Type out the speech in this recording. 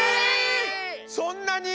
そんなに？